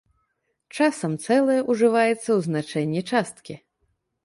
Часам цэлае ўжываецца ў значэнні часткі.